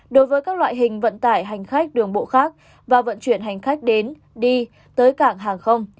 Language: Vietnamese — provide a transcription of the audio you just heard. đối với các loại hình vận tải hành khách đường bộ khác và vận chuyển hành khách đến đi tới cảng hàng không